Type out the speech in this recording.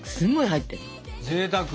ぜいたく！